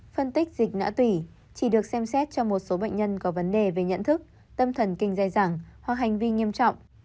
phân tích dịch nã tùy chỉ được xem xét cho một số bệnh nhân có vấn đề về nhận thức tâm thần kinh dài dẳng hoặc hành vi nghiêm trọng